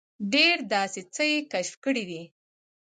ډېر داسې څه یې کشف کړي دي.